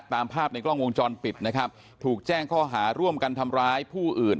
ตามภาพในกล้องวงจรปิดนะครับถูกแจ้งข้อหาร่วมกันทำร้ายผู้อื่น